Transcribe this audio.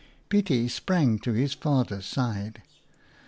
Pietie sprang to his fathers side.